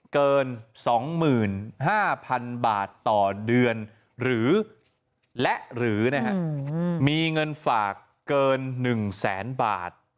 เกิน๒๕๐๐๐บาทต่อเดือนหรือและหรือนะฮะมีเงินฝากเกิน๑แสนบาท